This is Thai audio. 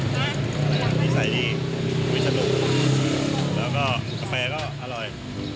ดีใส่ดีดีสนุกแล้วก็กาแฟก็อร่อย